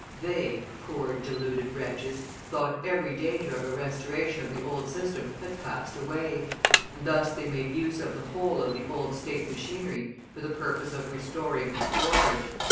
They, poor deluded wretches, thought every danger of a restoration of the old system had passed away; and thus they made use of the whole of the old State machinery for the purpose of restoring "order."